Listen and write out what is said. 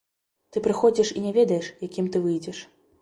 Ты прыходзіш і не ведаеш, якім ты выйдзеш.